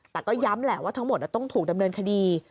แต่ก็ย้ำแหละว่าทั้งหมดต้องถูกดำเนินคดี